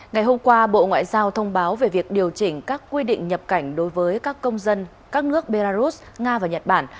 ngày hôm qua bộ ngoại giao thông báo về việc điều chỉnh các quy định nhập cảnh đối với các công dân các nước belarus nga và nhật bản